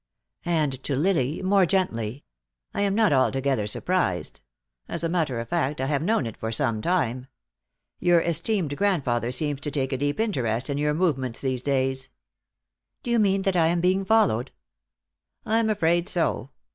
And to Lily, more gently: "I am not altogether surprised. As a matter of fact, I have known it for some time. Your esteemed grandfather seems to take a deep interest in your movements these days." "Do you mean that I am being followed?" "I'm afraid so.